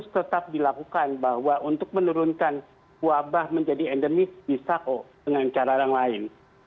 tetap dilakukan bahwa untuk menurunkan wabah menjadi endemis bisa kok dengan cara yang lain